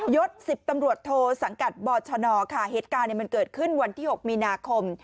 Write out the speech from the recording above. ศ๑๐ตำรวจโทสังกัดบชนค่ะเหตุการณ์มันเกิดขึ้นวันที่๖มีนาคม